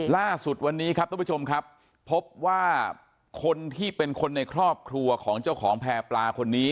ล่าสุดวันนี้ครับทุกผู้ชมครับพบว่าคนที่เป็นคนในครอบครัวของเจ้าของแพร่ปลาคนนี้